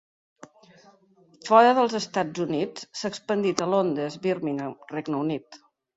Fora dels Estats Units, s'ha expandit a Londres, Birmingham, Regne Unit.